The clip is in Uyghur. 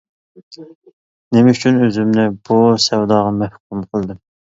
نېمە ئۈچۈن ئۆزۈمنى بۇ سەۋداغا مەھكۇم قىلدىم.